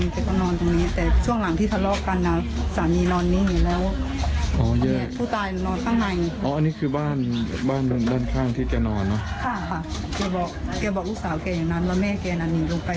เป็นวิธีที่ว่าแม่แกน่ะใส่โรงภาพอีกคู่นึงไป